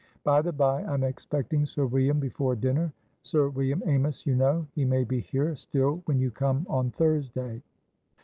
By the bye, I'm expecting Sir William before dinnerSir William Amys, you know. He may be here still when you come on Thursday."